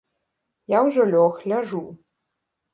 Я ўжо лёг, ляжу.